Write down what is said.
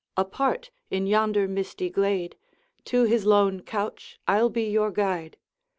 'Apart, in yonder misty glade; To his lone couch I'll be your guide.'